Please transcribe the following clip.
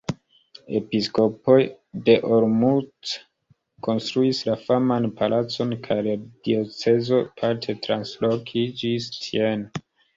Episkopoj de Olomouc konstruis la faman Palacon kaj la diocezo parte translokiĝis tien.